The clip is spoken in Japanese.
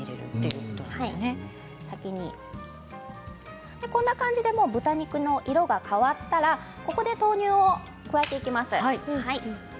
こんな感じで豚肉の色が変わったらここで豆乳を加えていきます。